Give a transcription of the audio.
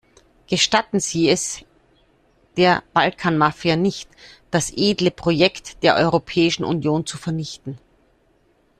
Gestatten Sie es der Balkanmafia nicht, das edle Projekt der Europäischen Union zu vernichten.